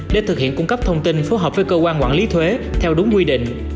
để thực hiện cung cấp thông tin phối hợp với cơ quan quản lý thuế theo đúng quy định